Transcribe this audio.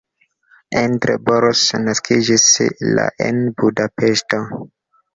Endre Boros naskiĝis la en Budapeŝto.